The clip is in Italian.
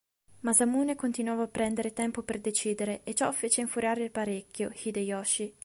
Masamune continuava a prendere tempo per decidere, e ciò fece infuriare parecchio Hideyoshi.